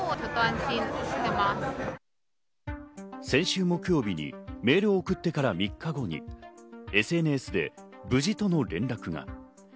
先週木曜日にメールを送ってから３日後にＳＮＳで無事との連絡が。